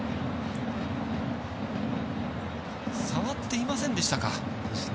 触っていませんでしたか。